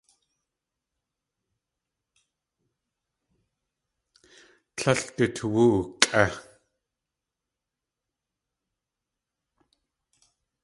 Tlél du toowú ukʼé.